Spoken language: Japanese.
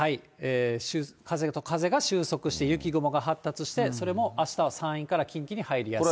風と風が収束して、雪雲が発達して、それもあしたは山陰から近畿に入りやすい。